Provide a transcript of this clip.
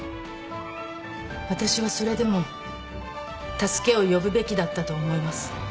私はそれでも助けを呼ぶべきだったと思います。